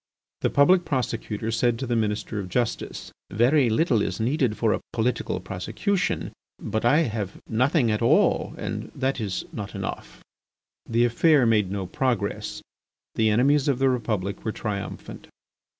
The Public Prosecutor said to the Minister of justice: "Very little is needed for a political prosecution! but I have nothing at all and that is not enough." The affair made no progress. The enemies of the Republic were triumphant.